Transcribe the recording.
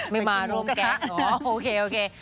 ไม่มาร่วมแก๊กโอเค